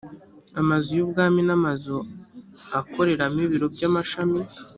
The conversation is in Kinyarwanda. amazu y ubwami n amazu akoreramo ibiro by amashami